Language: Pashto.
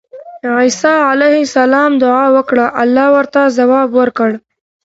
عيسی عليه السلام دعاء وکړه، الله ورته ځواب ورکړ